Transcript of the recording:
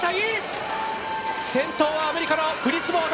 先頭はアメリカのグリスウォード。